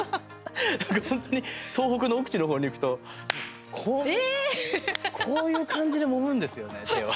本当に東北の奥地の方に行くとこう、こういう感じでもむんですよね、手を。